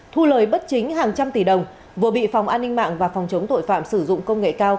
thu lời bất chính hàng trăm tỷ đồng vừa bị phòng an ninh mạng và phòng chống tội phạm sử dụng công nghệ cao